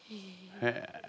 へえ。